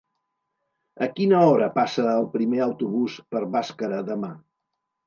A quina hora passa el primer autobús per Bàscara demà?